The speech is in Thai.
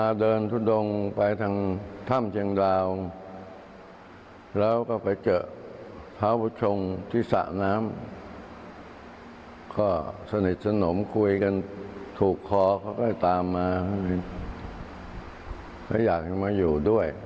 อัตตามาก็อยากจะมาอยู่ด้วย